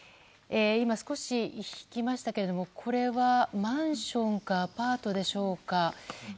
今、少し引きましたがこれはマンションかアパートでしょうか。